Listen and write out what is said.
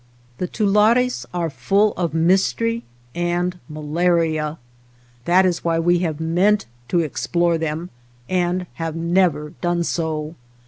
The tulares are full of mystery and ma laria. That is why we have meant tc(^ explore them and have never done so.